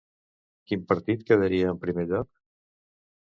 Quin partit quedaria en primer lloc?